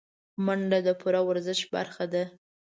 منډه د پوره ورزش برخه ده